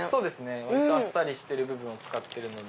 割とあっさりしてる部分を使ってるので。